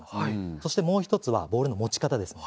そしてもう一つは、ボールの持ち方です。